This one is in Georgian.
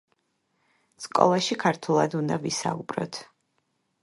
სკოლაში ქართულად უნდა ვისაუბროთ!